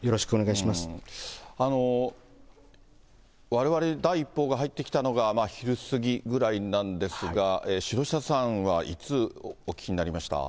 われわれに第一報が入ってきたのが昼過ぎぐらいなんですが、城下さんはいつ、お聞きになりました？